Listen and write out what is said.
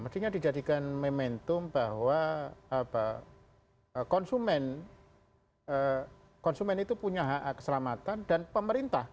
mestinya dijadikan momentum bahwa konsumen itu punya hak hak keselamatan dan pemerintah